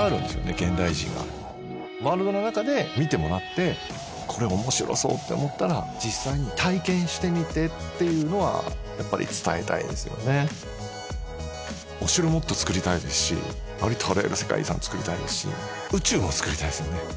現代人がワールドの中で見てもらってこれ面白そうって思ったら実際に体験してみてっていうのはやっぱり伝えたいですよねお城もっと作りたいですしありとあらゆる世界遺産作りたいですし宇宙も作りたいですもんね